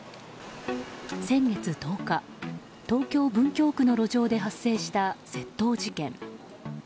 先月１０日、東京・文京区の路上で発生した窃盗事件。